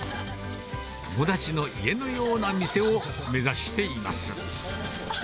友達の家のような店を目指しています。